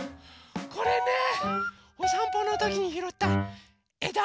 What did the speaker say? これねおさんぽのときにひろったえだ。